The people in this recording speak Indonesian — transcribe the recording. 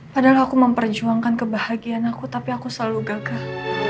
padahal aku memperjuangkan kebahagiaan aku tapi aku selalu gagah